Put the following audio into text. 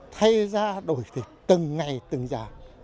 thay ra đổi từng ngày từng giờ